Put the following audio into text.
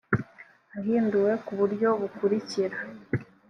ahinduwe ku buryo bukurikira